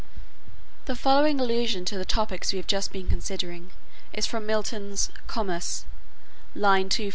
The following allusion to the topics we have just been considering is from Milton's "Comus," line 252